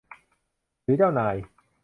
หรือเจ้านาย